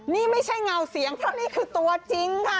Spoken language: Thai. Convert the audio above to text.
นี่ไม่ใช่เงาเสียงเพราะนี่คือตัวจริงค่ะ